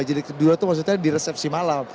jilid kedua itu maksudnya di resepsi malam